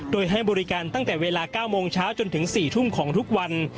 โดยให้บริการตั้งแต่เวลา๙โมงเช้าจนถึง๔ทุ่มของทุกวัน